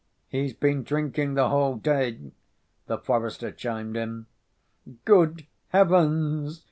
"He's been drinking the whole day," the forester chimed in. "Good heavens!"